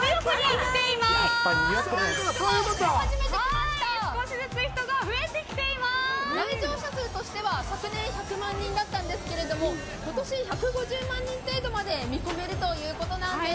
来場者数としては昨年１００万人でしたが今年１５０万人程度まで見込めるということなんです。